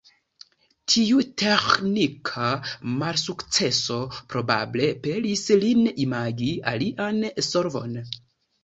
Tiu teĥnika malsukceso probable pelis lin imagi alian solvon.